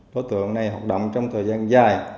đối tượng này hoạt động trong thời gian dài